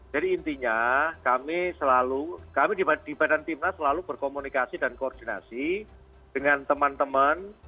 jadi intinya kami selalu kami di badan timnas selalu berkomunikasi dan koordinasi dengan teman teman